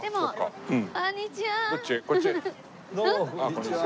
こんにちは。